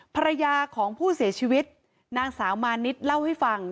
ภรรยาของผู้เสียชีวิตนางสาวมานิดเล่าให้ฟัง